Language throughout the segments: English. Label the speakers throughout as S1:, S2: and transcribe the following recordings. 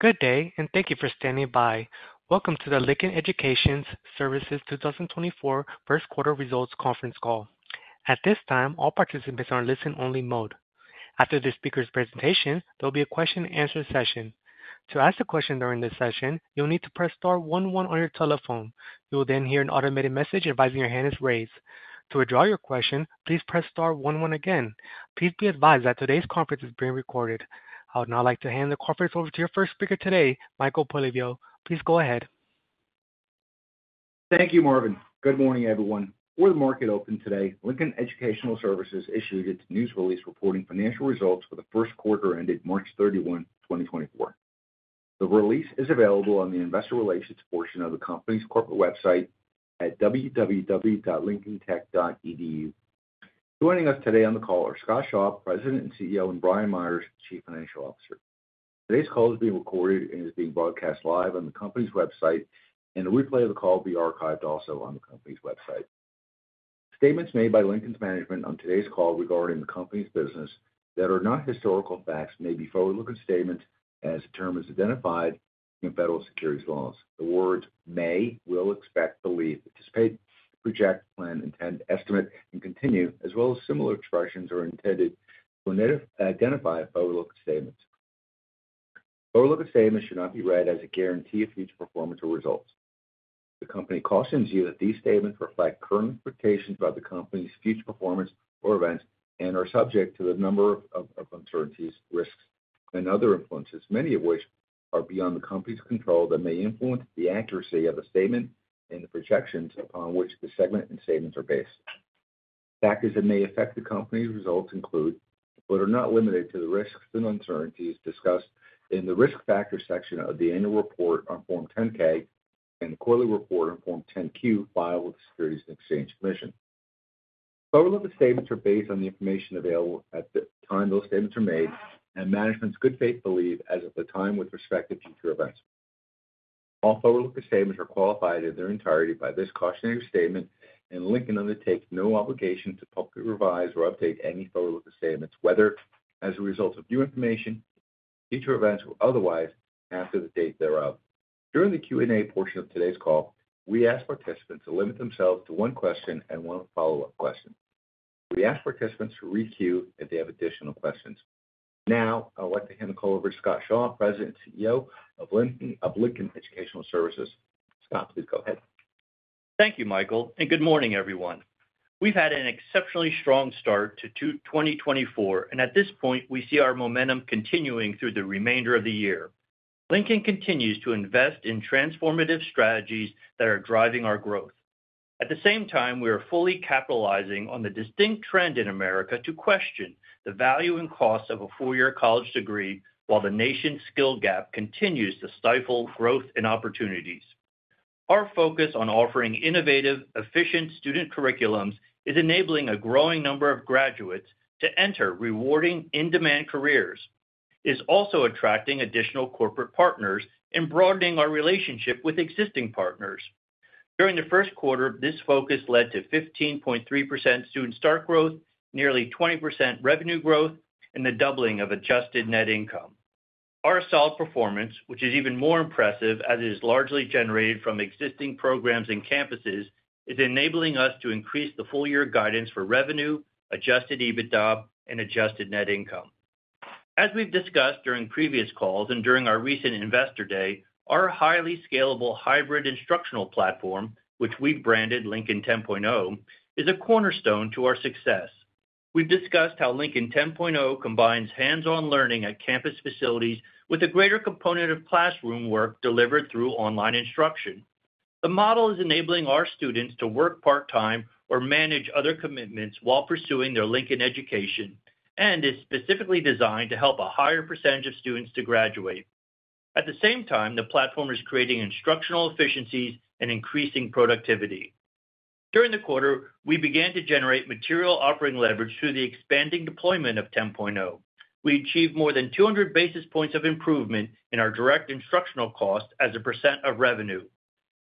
S1: Good day, and thank you for standing by. Welcome to the Lincoln Educational Services 2024 First Quarter Results Conference Call. At this time, all participants are in listen-only mode. After the speaker's presentation, there will be a question-and-answer session. To ask a question during this session, you'll need to press star one one on your telephone. You will then hear an automated message advising your hand is raised. To withdraw your question, please press star one one again. Please be advised that today's conference is being recorded. I would now like to hand the conference over to your first speaker today, Michael Polyviou. Please go ahead.
S2: Thank you, Marvin. Good morning, everyone. For the market open today, Lincoln Educational Services issued its news release reporting financial results for the first quarter ended March 31, 2024. The release is available on the investor relations portion of the company's corporate website at www.lincolntech.edu. Joining us today on the call are Scott Shaw, President and CEO, and Brian Meyers, Chief Financial Officer. Today's call is being recorded and is being broadcast live on the company's website, and a replay of the call will be archived also on the company's website. Statements made by Lincoln's management on today's call regarding the company's business that are not historical facts may be forward-looking statements as the term is identified in federal securities laws. The words "may," "will," "expect," "believe," "participate," "project," "plan," "intend," "estimate," and "continue," as well as similar expressions are intended to identify forward-looking statements. Forward-looking statements should not be read as a guarantee of future performance or results. The company cautions you that these statements reflect current expectations about the company's future performance or events and are subject to a number of uncertainties, risks, and other influences, many of which are beyond the company's control that may influence the accuracy of the statement and the projections upon which the segment and statements are based. Factors that may affect the company's results include but are not limited to the risks and uncertainties discussed in the risk factors section of the annual report on Form 10-K and the quarterly report on Form 10-Q filed with the Securities and Exchange Commission. Forward-looking statements are based on the information available at the time those statements are made and management's good faith belief as of the time with respect to future events. All forward-looking statements are qualified in their entirety by this cautionary statement, and Lincoln undertakes no obligation to publicly revise or update any forward-looking statements, whether as a result of new information, future events, or otherwise after the date thereof. During the Q&A portion of today's call, we ask participants to limit themselves to one question and one follow-up question. We ask participants to re-queue if they have additional questions. Now, I'd like to hand the call over to Scott Shaw, President and CEO of Lincoln Educational Services. Scott, please go ahead.
S3: Thank you, Michael, and good morning, everyone. We've had an exceptionally strong start to 2024, and at this point, we see our momentum continuing through the remainder of the year. Lincoln continues to invest in transformative strategies that are driving our growth. At the same time, we are fully capitalizing on the distinct trend in America to question the value and cost of a four-year college degree while the nation's skill gap continues to stifle growth and opportunities. Our focus on offering innovative, efficient student curriculums is enabling a growing number of graduates to enter rewarding, in-demand careers, is also attracting additional corporate partners, and broadening our relationship with existing partners. During the first quarter, this focus led to 15.3% student start growth, nearly 20% revenue growth, and the doubling of adjusted net income. Our solid performance, which is even more impressive as it is largely generated from existing programs and campuses, is enabling us to increase the full-year guidance for revenue, Adjusted EBITDA, and Adjusted Net Income. As we've discussed during previous calls and during our recent Investor Day, our highly scalable hybrid instructional platform, which we've branded Lincoln 10.0, is a cornerstone to our success. We've discussed how Lincoln 10.0 combines hands-on learning at campus facilities with a greater component of classroom work delivered through online instruction. The model is enabling our students to work part-time or manage other commitments while pursuing their Lincoln education and is specifically designed to help a higher percentage of students to graduate. At the same time, the platform is creating instructional efficiencies and increasing productivity. During the quarter, we began to generate material operating leverage through the expanding deployment of 10.0. We achieved more than 200 basis points of improvement in our direct instructional costs as a percent of revenue.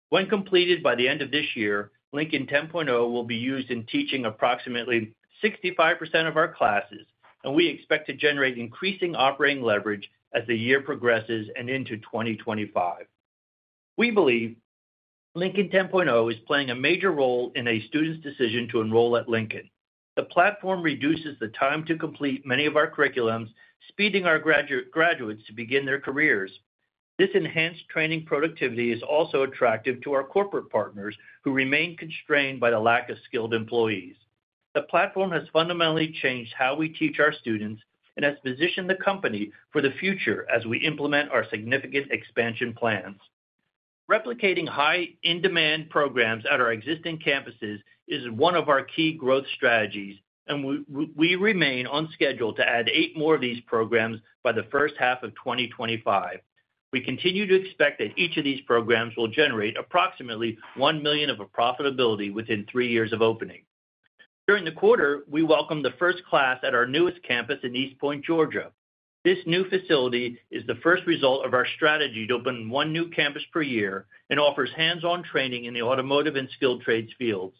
S3: When completed by the end of this year, Lincoln 10.0 will be used in teaching approximately 65% of our classes, and we expect to generate increasing operating leverage as the year progresses and into 2025. We believe Lincoln 10.0 is playing a major role in a student's decision to enroll at Lincoln. The platform reduces the time to complete many of our curriculums, speeding our graduates to begin their careers. This enhanced training productivity is also attractive to our corporate partners who remain constrained by the lack of skilled employees. The platform has fundamentally changed how we teach our students and has positioned the company for the future as we implement our significant expansion plans. Replicating high-in-demand programs at our existing campuses is one of our key growth strategies, and we remain on schedule to add eight more of these programs by the first half of 2025. We continue to expect that each of these programs will generate approximately $1 million of profitability within three years of opening. During the quarter, we welcomed the first class at our newest campus in East Point, Georgia. This new facility is the first result of our strategy to open one new campus per year and offers hands-on training in the automotive and skilled trades fields.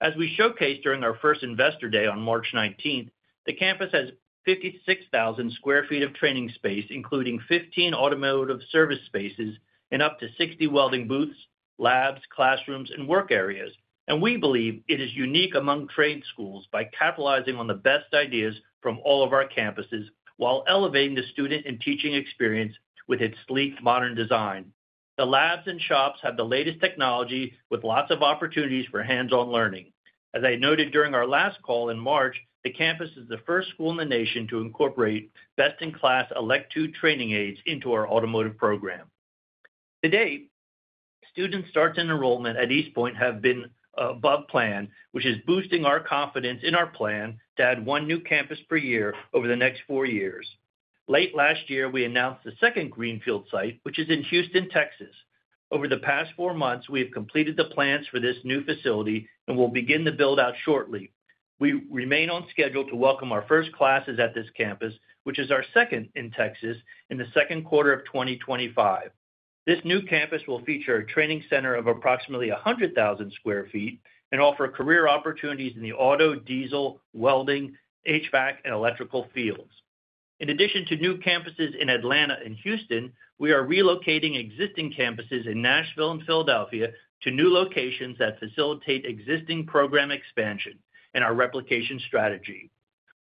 S3: As we showcased during our first Investor Day on March 19th, the campus has 56,000 square feet of training space, including 15 automotive service spaces and up to 60 welding booths, labs, classrooms, and work areas, and we believe it is unique among trade schools by capitalizing on the best ideas from all of our campuses while elevating the student and teaching experience with its sleek, modern design. The labs and shops have the latest technology with lots of opportunities for hands-on learning. As I noted during our last call in March, the campus is the first school in the nation to incorporate best-in-class Electude training aids into our automotive program. Today, student starts and enrollment at East Point have been above plan, which is boosting our confidence in our plan to add one new campus per year over the next four years. Late last year, we announced the second Greenfield site, which is in Houston, Texas. Over the past four months, we have completed the plans for this new facility and will begin the build-out shortly. We remain on schedule to welcome our first classes at this campus, which is our second in Texas, in the second quarter of 2025. This new campus will feature a training center of approximately 100,000 sq ft and offer career opportunities in the auto, diesel, welding, HVAC, and electrical fields. In addition to new campuses in Atlanta and Houston, we are relocating existing campuses in Nashville and Philadelphia to new locations that facilitate existing program expansion and our replication strategy.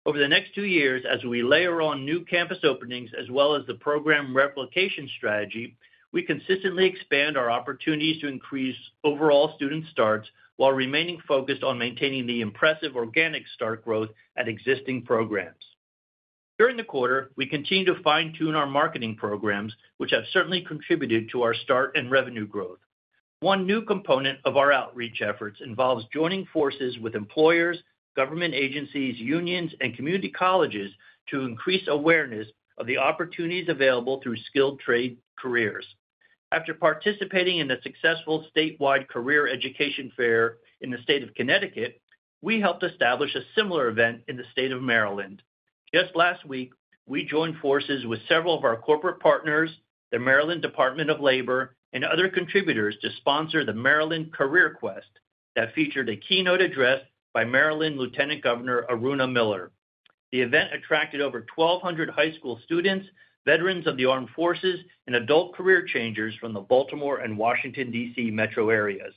S3: Over the next two years, as we layer on new campus openings as well as the program replication strategy, we consistently expand our opportunities to increase overall student starts while remaining focused on maintaining the impressive organic start growth at existing programs. During the quarter, we continue to fine-tune our marketing programs, which have certainly contributed to our start and revenue growth. One new component of our outreach efforts involves joining forces with employers, government agencies, unions, and community colleges to increase awareness of the opportunities available through skilled trade careers. After participating in a successful statewide career education fair in the state of Connecticut, we helped establish a similar event in the state of Maryland. Just last week, we joined forces with several of our corporate partners, the Maryland Department of Labor, and other contributors to sponsor the Maryland Career Quest that featured a keynote address by Maryland Lieutenant Governor Aruna Miller. The event attracted over 1,200 high school students, veterans of the armed forces, and adult career changers from the Baltimore and Washington, D.C., metro areas.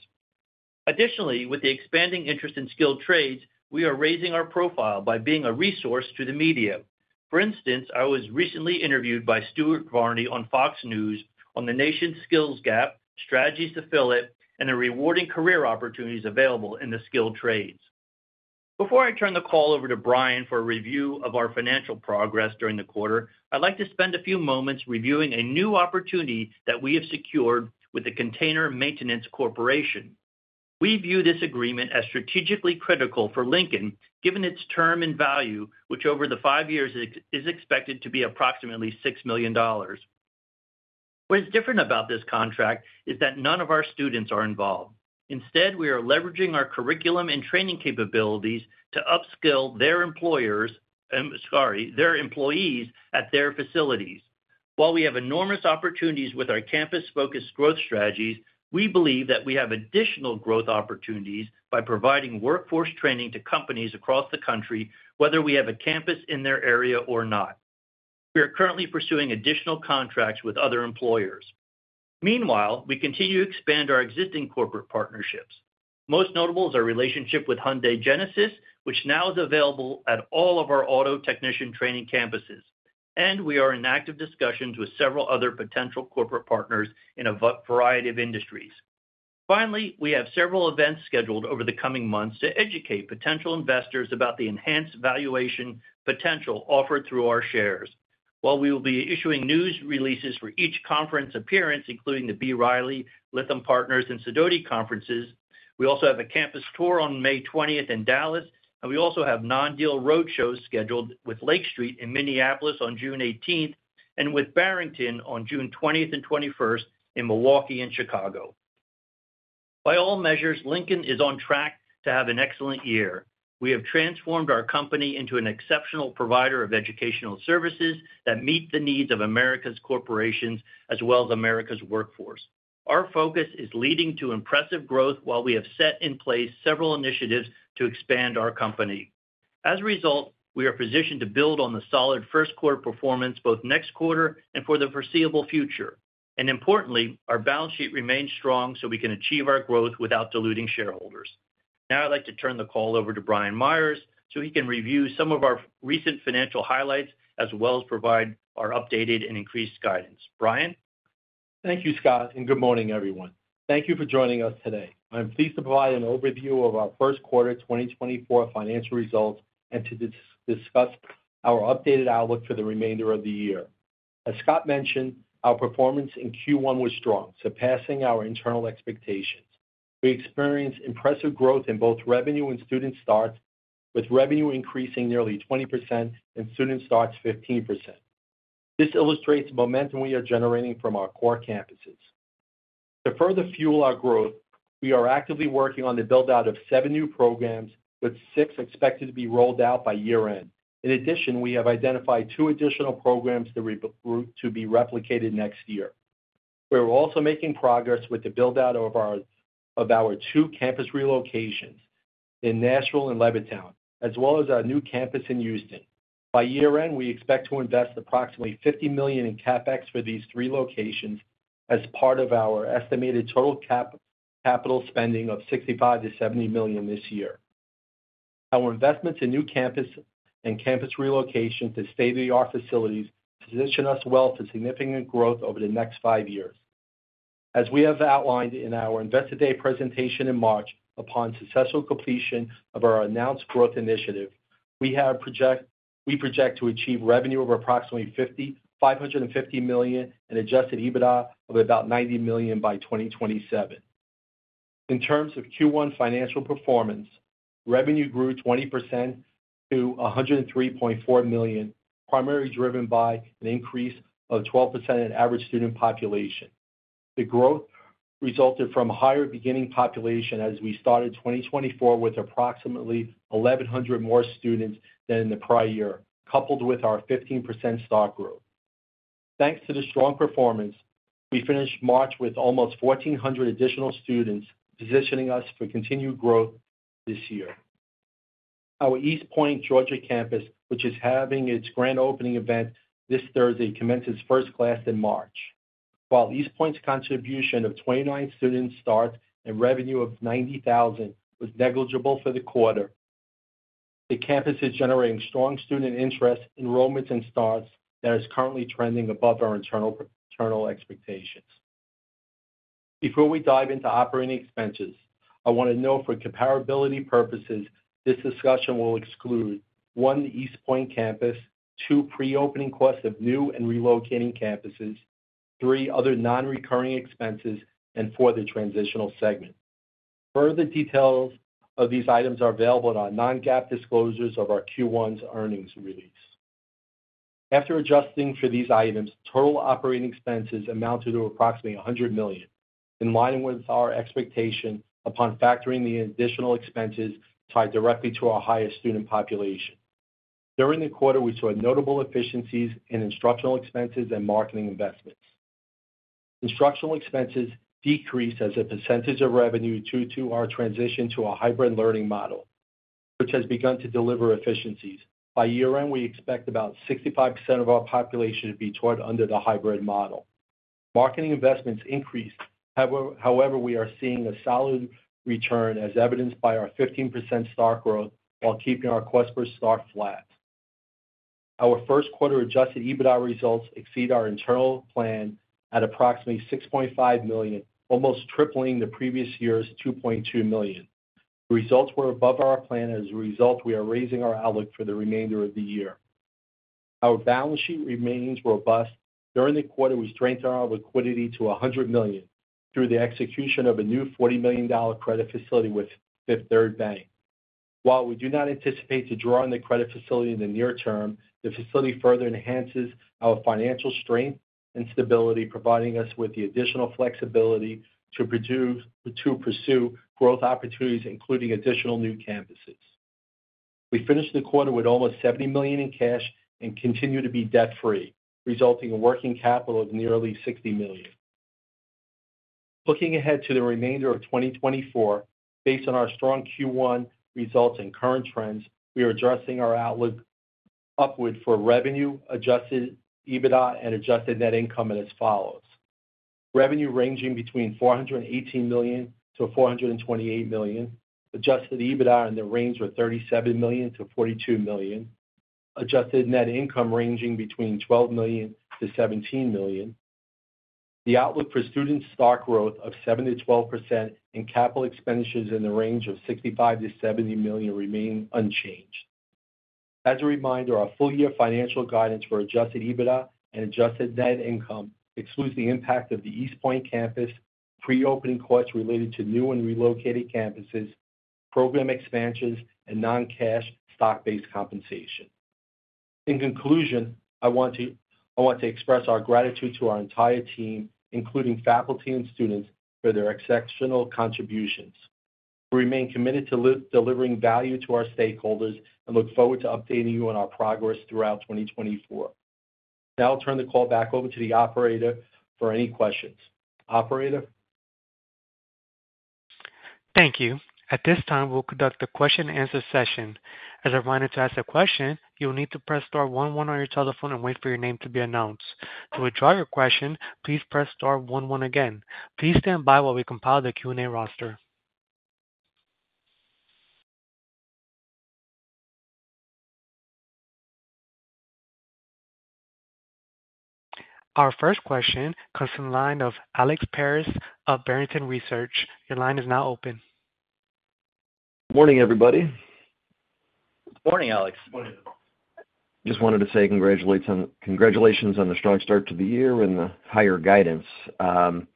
S3: Additionally, with the expanding interest in skilled trades, we are raising our profile by being a resource to the media. For instance, I was recently interviewed by Stuart Varney on Fox News on the nation's skills gap, strategies to fill it, and the rewarding career opportunities available in the skilled trades. Before I turn the call over to Brian for a review of our financial progress during the quarter, I'd like to spend a few moments reviewing a new opportunity that we have secured with the Container Maintenance Corporation. We view this agreement as strategically critical for Lincoln, given its term and value, which over the five years is expected to be approximately $6 million. What is different about this contract is that none of our students are involved. Instead, we are leveraging our curriculum and training capabilities to upskill their employers, sorry, their employees, at their facilities. While we have enormous opportunities with our campus-focused growth strategies, we believe that we have additional growth opportunities by providing workforce training to companies across the country, whether we have a campus in their area or not. We are currently pursuing additional contracts with other employers. Meanwhile, we continue to expand our existing corporate partnerships. Most notable is our relationship with Hyundai Genesis, which now is available at all of our auto technician training campuses, and we are in active discussions with several other potential corporate partners in a variety of industries. Finally, we have several events scheduled over the coming months to educate potential investors about the enhanced valuation potential offered through our shares. While we will be issuing news releases for each conference appearance, including the B. Riley, Lytham Partners, and Sidoti conferences, we also have a campus tour on May 20th in Dallas, and we also have non-deal roadshows scheduled with Lake Street in Minneapolis on June 18th and with Barrington on June 20th and 21st in Milwaukee and Chicago. By all measures, Lincoln is on track to have an excellent year. We have transformed our company into an exceptional provider of educational services that meet the needs of America's corporations as well as America's workforce. Our focus is leading to impressive growth while we have set in place several initiatives to expand our company. As a result, we are positioned to build on the solid first-quarter performance both next quarter and for the foreseeable future. And importantly, our balance sheet remains strong so we can achieve our growth without diluting shareholders. Now, I'd like to turn the call over to Brian Meyers so he can review some of our recent financial highlights as well as provide our updated and increased guidance. Brian?
S4: Thank you, Scott, and good morning, everyone. Thank you for joining us today. I'm pleased to provide an overview of our first quarter 2024 financial results and to discuss our updated outlook for the remainder of the year. As Scott mentioned, our performance in Q1 was strong, surpassing our internal expectations. We experienced impressive growth in both revenue and student starts, with revenue increasing nearly 20% and student starts 15%. This illustrates the momentum we are generating from our core campuses. To further fuel our growth, we are actively working on the build-out of seven new programs, with six expected to be rolled out by year-end. In addition, we have identified two additional programs to be replicated next year. We are also making progress with the build-out of our two campus relocations in Nashville and Levittown, as well as our new campus in Houston. By year-end, we expect to invest approximately $50 million in CapEx for these three locations as part of our estimated total capital spending of $65 million-$70 million this year. Our investments in new campus and campus relocation to stabilize our facilities position us well for significant growth over the next five years. As we have outlined in our Investor Day presentation in March, upon successful completion of our announced growth initiative, we project to achieve revenue of approximately $550 million and Adjusted EBITDA of about $90 million by 2027. In terms of Q1 financial performance, revenue grew 20% to $103.4 million, primarily driven by an increase of 12% in average student population. The growth resulted from a higher beginning population as we started 2024 with approximately 1,100 more students than in the prior year, coupled with our 15% start growth. Thanks to the strong performance, we finished March with almost 1,400 additional students positioning us for continued growth this year. Our East Point, Georgia campus, which is having its grand opening event this Thursday, commences first class in March. While East Point's contribution of 29 student starts and revenue of $90,000 was negligible for the quarter, the campus is generating strong student interest, enrollments, and starts that are currently trending above our internal expectations. Before we dive into operating expenses, I want to note for comparability purposes, this discussion will exclude: 1) the East Point campus, 2) pre-opening costs of new and relocating campuses, 3) other non-recurring expenses, and 4) the transitional segment. Further details of these items are available in our non-GAAP disclosures of our Q1's earnings release. After adjusting for these items, total operating expenses amounted to approximately $100 million, in line with our expectation upon factoring the additional expenses tied directly to our highest student population. During the quarter, we saw notable efficiencies in instructional expenses and marketing investments. Instructional expenses decreased as a percentage of revenue due to our transition to a hybrid learning model, which has begun to deliver efficiencies. By year-end, we expect about 65% of our population to be taught under the hybrid model. Marketing investments increased, however, we are seeing a solid return, as evidenced by our 15% start growth while keeping our CPS flat. Our first quarter Adjusted EBITDA results exceed our internal plan at approximately $6.5 million, almost tripling the previous year's $2.2 million. The results were above our plan, and as a result, we are raising our outlook for the remainder of the year. Our balance sheet remains robust. During the quarter, we strengthened our liquidity to $100 million through the execution of a new $40 million credit facility with Fifth Third Bank. While we do not anticipate to draw on the credit facility in the near term, the facility further enhances our financial strength and stability, providing us with the additional flexibility to pursue growth opportunities, including additional new campuses. We finished the quarter with almost $70 million in cash and continue to be debt-free, resulting in working capital of nearly $60 million. Looking ahead to the remainder of 2024, based on our strong Q1 results and current trends, we are addressing our outlook upward for revenue, adjusted EBITDA, and adjusted net income as follows: revenue ranging between $418 million-$428 million, adjusted EBITDA in the range of $37 million-$42 million, adjusted net income ranging between $12 million-$17 million. The outlook for student start growth of 7%-12% and capital expenditures in the range of $65 million-$70 million remain unchanged. As a reminder, our full-year financial guidance for adjusted EBITDA and adjusted net income excludes the impact of the East Point campus, pre-opening costs related to new and relocated campuses, program expansions, and non-cash stock-based compensation. In conclusion, I want to express our gratitude to our entire team, including faculty and students, for their exceptional contributions. We remain committed to delivering value to our stakeholders and look forward to updating you on our progress throughout 2024. Now, I'll turn the call back over to the operator for any questions. Operator?
S1: Thank you. At this time, we'll conduct a question-and-answer session. As a reminder, to ask a question, you'll need to press star 11 on your telephone and wait for your name to be announced. To withdraw your question, please press star one one again. Please stand by while we compile the Q&A roster. Our first question comes from the line of Alex Paris of Barrington Research. Your line is now open.
S5: Morning, everybody.
S3: Good morning, Alex.
S4: Good morning.
S5: Just wanted to say congratulations on the strong start to the year and the higher guidance. I'm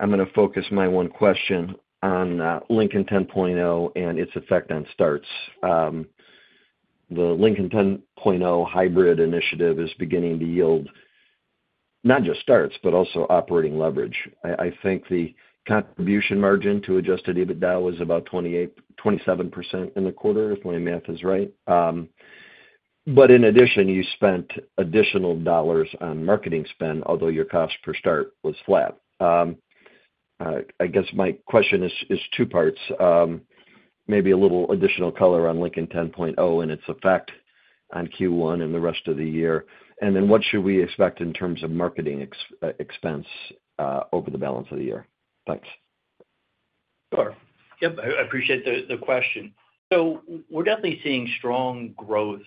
S5: going to focus my one question on Lincoln 10.0 and its effect on starts. The Lincoln 10.0 hybrid initiative is beginning to yield not just starts but also operating leverage. I think the contribution margin to adjusted EBITDA was about 27% in the quarter, if my math is right. But in addition, you spent additional dollars on marketing spend, although your cost per start was flat. I guess my question is two parts, maybe a little additional color on Lincoln 10.0 and its effect on Q1 and the rest of the year. And then what should we expect in terms of marketing expense over the balance of the year? Thanks.
S4: Sure. Yep, I appreciate the question. So we're definitely seeing strong growth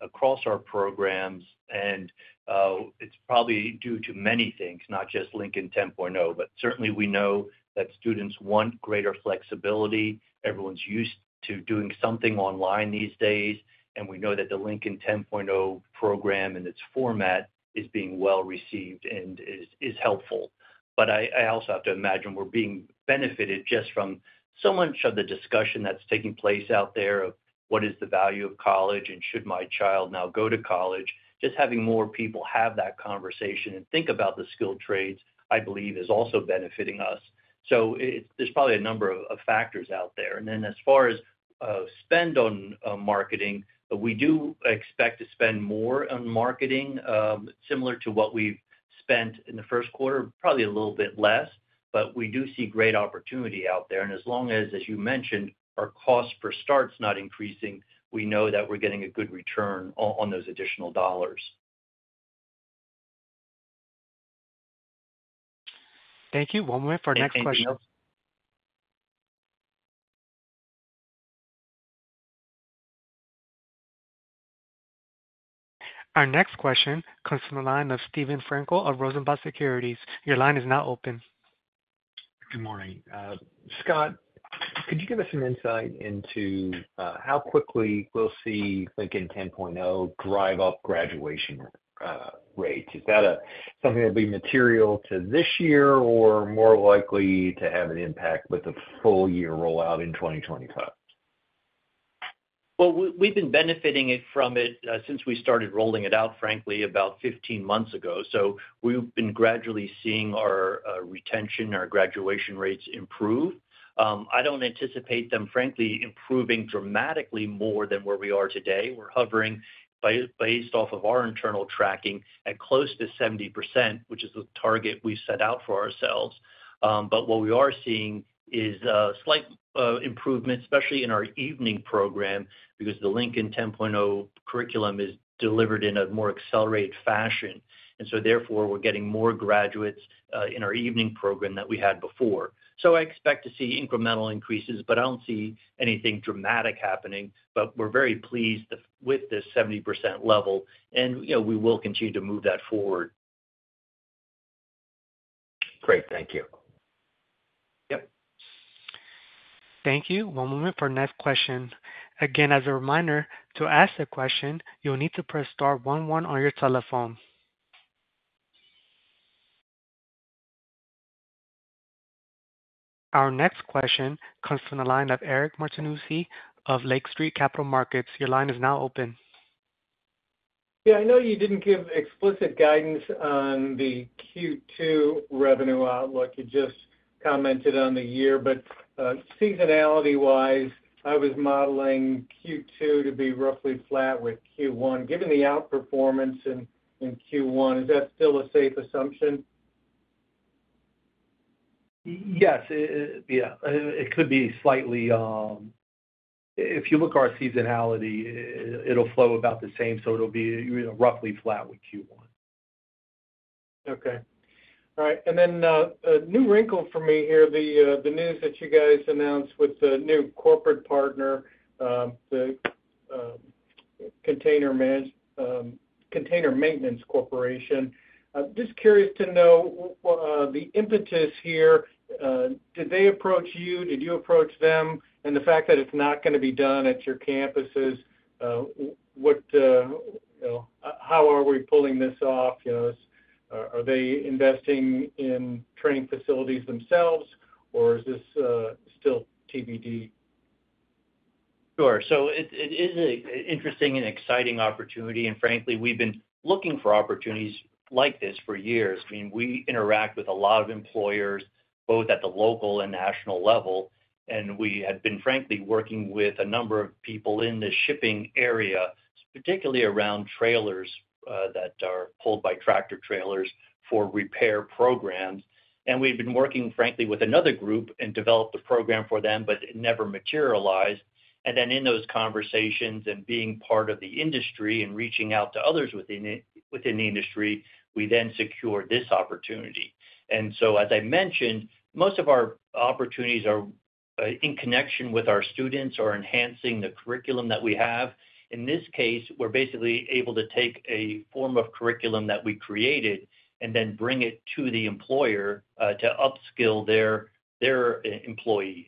S4: across our programs, and it's probably due to many things, not just Lincoln 10.0. But certainly, we know that students want greater flexibility. Everyone's used to doing something online these days, and we know that the Lincoln 10.0 program and its format is being well received and is helpful. But I also have to imagine we're being benefited just from so much of the discussion that's taking place out there of what is the value of college, and should my child now go to college? Just having more people have that conversation and think about the skilled trades, I believe, is also benefiting us. So there's probably a number of factors out there. And then as far as spend on marketing, we do expect to spend more on marketing, similar to what we've spent in the first quarter, probably a little bit less. But we do see great opportunity out there. And as long as, as you mentioned, our cost per start's not increasing, we know that we're getting a good return on those additional dollars.
S1: Thank you. One more for our next question.
S4: Anything else?
S1: Our next question comes from the line of Steven Frankel of Rosenblatt Securities. Your line is now open.
S6: Good morning. Scott, could you give us some insight into how quickly we'll see Lincoln 10.0 drive up graduation rates? Is that something that'll be material to this year or more likely to have an impact with the full-year rollout in 2025?
S3: Well, we've been benefiting from it since we started rolling it out, frankly, about 15 months ago. So we've been gradually seeing our retention, our graduation rates improve. I don't anticipate them, frankly, improving dramatically more than where we are today. We're hovering, based off of our internal tracking, at close to 70%, which is the target we've set out for ourselves. But what we are seeing is slight improvements, especially in our evening program because the Lincoln 10.0 curriculum is delivered in a more accelerated fashion. And so therefore, we're getting more graduates in our evening program than we had before. So I expect to see incremental increases, but I don't see anything dramatic happening. But we're very pleased with this 70% level, and we will continue to move that forward.
S6: Great. Thank you. Yep.
S1: Thank you. One moment for our next question. Again, as a reminder, to ask the question, you'll need to press star 11 on your telephone. Our next question comes from the line of Eric Martinuzzi of Lake Street Capital Markets. Your line is now open.
S7: Yeah, I know you didn't give explicit guidance on the Q2 revenue outlook. You just commented on the year. But seasonality-wise, I was modeling Q2 to be roughly flat with Q1. Given the outperformance in Q1, is that still a safe assumption?
S4: Yes. Yeah, it could be slightly if you look at our seasonality, it'll flow about the same. So it'll be roughly flat with Q1.
S7: Okay. All right. And then a new wrinkle for me here, the news that you guys announced with the new corporate partner, the Container Maintenance Corporation. Just curious to know the impetus here, did they approach you? Did you approach them? And the fact that it's not going to be done at your campuses, how are we pulling this off? Are they investing in training facilities themselves, or is this still TBD?
S3: Sure. So it is an interesting and exciting opportunity. Frankly, we've been looking for opportunities like this for years. I mean, we interact with a lot of employers, both at the local and national level. We had been, frankly, working with a number of people in the shipping area, particularly around trailers that are pulled by tractor-trailers for repair programs. We've been working, frankly, with another group and developed a program for them, but it never materialized. Then in those conversations and being part of the industry and reaching out to others within the industry, we then secured this opportunity. So, as I mentioned, most of our opportunities are in connection with our students or enhancing the curriculum that we have. In this case, we're basically able to take a form of curriculum that we created and then bring it to the employer to upskill their employees.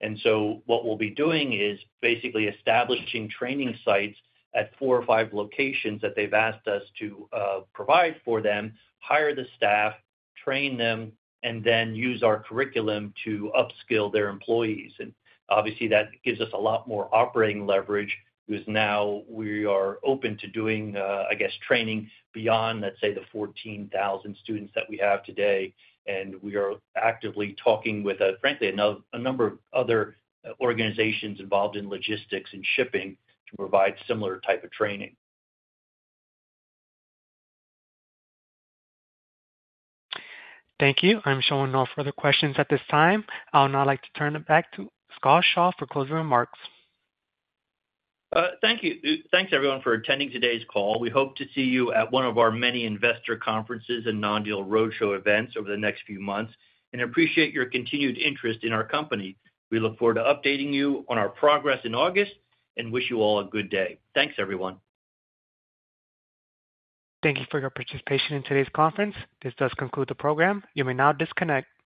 S3: What we'll be doing is basically establishing training sites at four or five locations that they've asked us to provide for them, hire the staff, train them, and then use our curriculum to upskill their employees. Obviously, that gives us a lot more operating leverage because now we are open to doing, I guess, training beyond, let's say, the 14,000 students that we have today. We are actively talking with, frankly, a number of other organizations involved in logistics and shipping to provide similar type of training.
S1: Thank you. I'm showing no further questions at this time. I'll now like to turn it back to Scott Shaw for closing remarks.
S3: Thank you. Thanks, everyone, for attending today's call. We hope to see you at one of our many investor conferences and non-deal roadshow events over the next few months and appreciate your continued interest in our company. We look forward to updating you on our progress in August and wish you all a good day. Thanks, everyone.
S1: Thank you for your participation in today's conference. This does conclude the program. You may now disconnect.